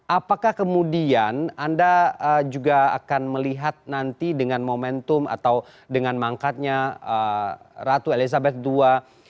apakah kemudian anda juga akan melihat nanti dengan momentum atau dengan mangkatnya ratu elizabeth ii